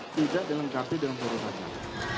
tidak dilengkapi dengan turut ajang